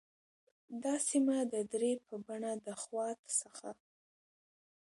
دا سیمه د درې په بڼه د خوات څخه